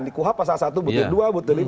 di kuhap pasal satu butir dua butir lima